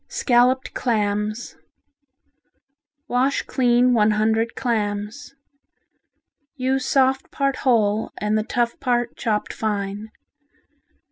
Scalloped Clams Wash clean one hundred clams. Use soft part whole and the tough part chopped fine.